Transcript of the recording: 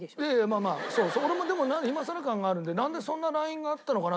まあまあ俺もでも今さら感があるんでなんでそんなＬＩＮＥがあったのかな？